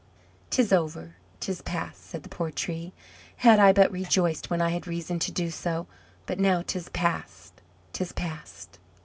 "'Tis over 'tis past!" said the poor Tree. "Had I but rejoiced when I had reason to do so! But now 'tis past, 'tis past!"